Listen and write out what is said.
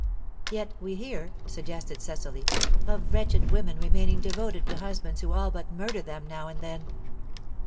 "Yet we hear," suggested Cecily, "of wretched women remaining devoted to husbands who all but murder them now and then."